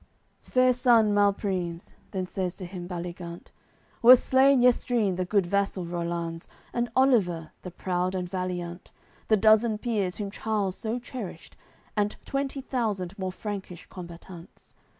AOI. CCXXX "Fair son Malprimes," then says t'him Baligant, "Was slain yestreen the good vassal Rollanz, And Oliver, the proof and valiant, The dozen peers, whom Charles so cherished, and Twenty thousand more Frankish combatants.